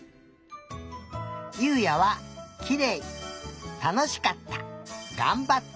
ゆうやは「きれい」「たのしかった」「がんばった」